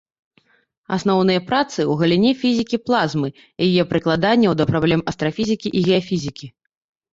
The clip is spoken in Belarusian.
Асноўныя працы ў галіне фізікі плазмы і яе прыкладанняў да праблем астрафізікі і геафізікі.